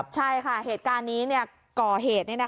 ใช่ค่ะเหตุการณ์นี้ก่อเหตุ